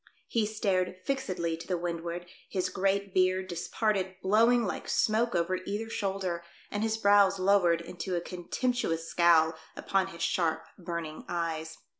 He stared fixedly to the windward, his great beard, disparted, blowing like smoke over either shoulder, and his brows lowered into a contemptuous scowl upon his sharp, burning eyes.